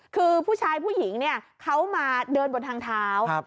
คือผู้ชายผู้หญิงเนี่ยเขามาเดินบนทางเท้า